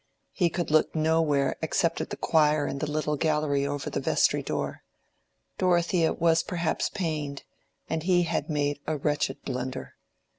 He could look nowhere except at the choir in the little gallery over the vestry door: Dorothea was perhaps pained, and he had made a wretched blunder.